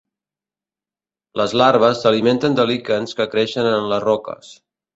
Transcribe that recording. Les larves s'alimenten de líquens que creixen en les roques.